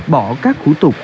bỏ các hủ tục